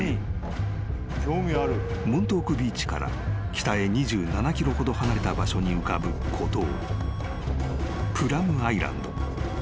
［モントークビーチから北へ２７ｋｍほど離れた場所に浮かぶ小島プラムアイランド］